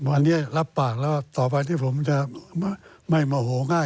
วันนี้รับปากแล้วต่อไปที่ผมจะไม่โมโหง่าย